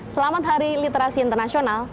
selamat hari literasi internasional